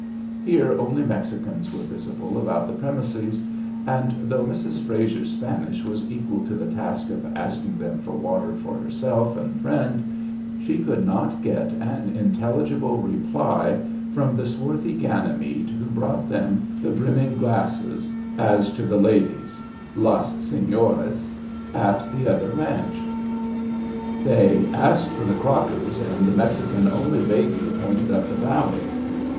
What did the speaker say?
Here only Mexicans were visible about the premises, and, though Mrs. Frazer's Spanish was equal to the task of asking them for water for herself and friend, she could not get an intelligible reply from the swarthy Ganymede who brought them the brimming glasses as to the ladies Las señoras at the other ranch. They asked for the Crockers, and the Mexican only vaguely pointed up the valley.